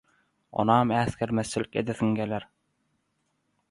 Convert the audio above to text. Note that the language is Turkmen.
onam äsgermezçilik edesiň geler.